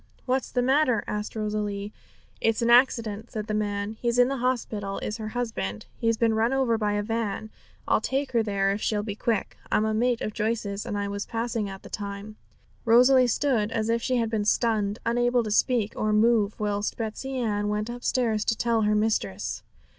'What's the matter?' asked Rosalie. 'It's an accident,' said the man. 'He's in the hospital, is her husband; he's been run over by a van. I'll take her there if she'll be quick; I'm a mate of Joyce's, and I was passing at the time.' Rosalie stood as if she had been stunned, unable to speak or move, whilst Betsey Ann went upstairs to tell her mistress.